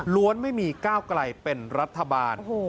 ไม่มีก้าวไกลเป็นรัฐบาล